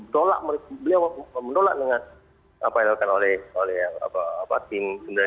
dolak beliau mendolak dengan apa yang dilakukan oleh tim dari covid pertama jogor